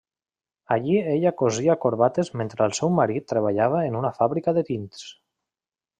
Allí ella cosia corbates mentre el seu marit treballava en una fàbrica de tints.